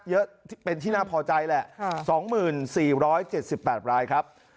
เยอะเป็นที่น่าพอใจแหละ๒๔๗๘รายครับ